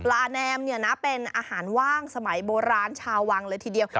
ปลาแนมเป็นอาหารว่างสมัยโบราณชาววังเลยทีเดียว